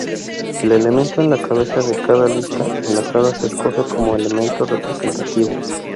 El elemento en la cabeza de cada lista enlazada se escoge como elemento representativo.